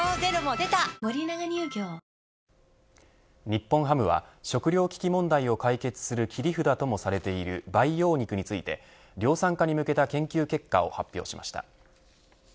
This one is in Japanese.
日本ハムは食糧危機問題を解決する切り札ともされている培養肉について量産化に向けた研究結果を発表しました。